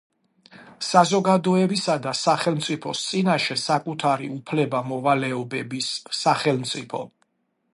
საზოგადოებისა და სახელმწიფოს წინაშე საკუთარი უფლება-მოვალეობების, სახელმწიფო